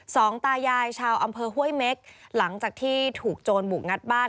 สองตายายชาวอำเภอห้วยเม็กหลังจากที่ถูกโจรบุกงัดบ้าน